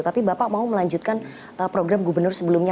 tapi bapak mau melanjutkan program gubernur sebelumnya